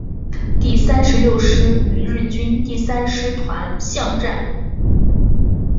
第三十六师与日军第三师团巷战。